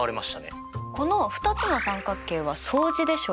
この２つの三角形は相似でしょうか？